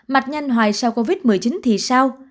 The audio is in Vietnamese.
mạch nhanh hoài sau covid một mươi chín thì sao